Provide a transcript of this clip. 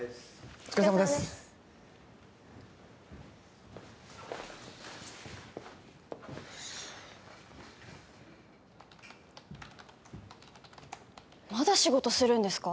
お疲れさまですまだ仕事するんですか？